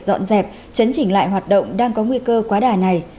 dọn dẹp chấn chỉnh lại hoạt động đang có nguy cơ quá đà này